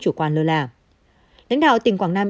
chủ quan lơ là lãnh đạo tỉnh quảng nam